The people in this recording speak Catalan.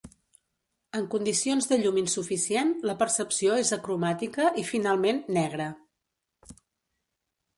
En condicions de llum insuficient, la percepció és acromàtica i finalment, negra.